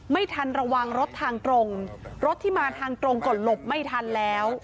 ไม่ทันระวังรถทางตรงรถที่มาทางตรงก็หลบไม่ทันแล้ว